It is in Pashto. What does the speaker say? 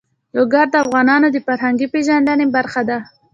لوگر د افغانانو د فرهنګي پیژندنې برخه ده.